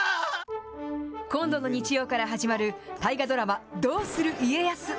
今度の日曜から始まる、大河ドラマ、どうする家康。